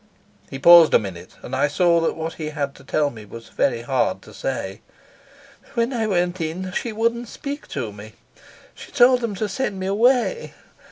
He paused a minute, and I saw that what he had to tell me was very hard to say. "When I went she wouldn't speak to me. She told them to send me away.